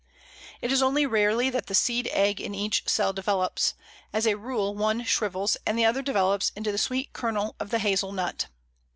It is only rarely that the seed egg in each cell develops; as a rule one shrivels, and the other develops into the sweet "kernel" of the Hazel nut.